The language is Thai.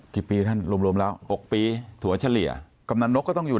กี่ปีท่านรวมรวมแล้ว๖ปีถั่วเฉลี่ยกำนันนกก็ต้องอยู่